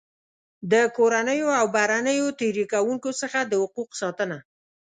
د کورنیو او بهرنیو تېري کوونکو څخه د حقوقو ساتنه.